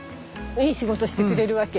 いい仕事してくれるわけ。